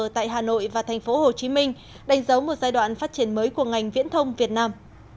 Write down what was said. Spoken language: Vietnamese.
tại hà nội và thành phố hồ chí minh đánh dấu một giai đoạn phát triển mới của ngành viễn thông việt nam